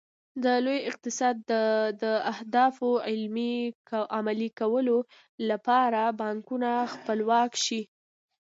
د لوی اقتصاد د اهدافو عملي کولو لپاره بانکونه خپلواک شي.